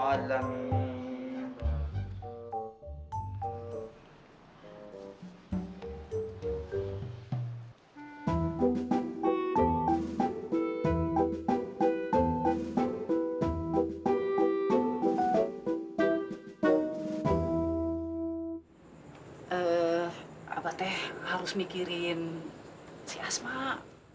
eh apa teh harus mikirin si asma